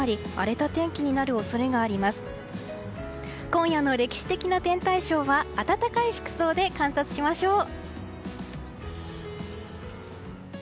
今夜の歴史的な天体ショーは暖かい服装で観察しましょう。